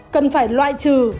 cần phải loại trừ